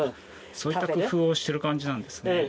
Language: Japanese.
そういった工夫をしている感じなんですね。